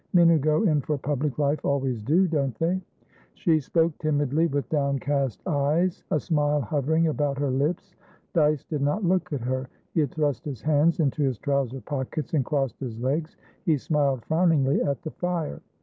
Men who go in for public life always dodon't they?" She spoke timidly, with downcast eyes, a smile hovering about her lips. Dyce did not look at her. He had thrust his hands into his trouser pockets, and crossed his legs; he smiled frowningly at the fire.